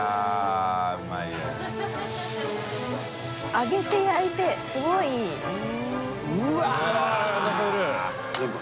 揚げて焼いてすごいいい中岡）